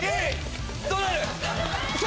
どうなる⁉３！